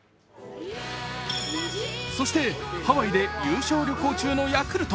そしてハワイで優勝旅行中のヤクルト。